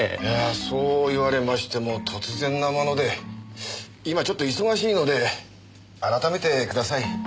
いやそう言われましても突然なもので今ちょっと忙しいので改めてください。